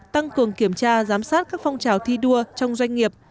tăng cường kiểm tra giám sát các phong trào thi đua trong doanh nghiệp